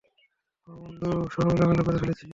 অহ, বন্ধু, সব এলোমেলো করে ফেলেছি।